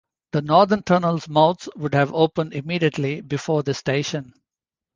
The northern tunnel mouths would have opened immediately before the station.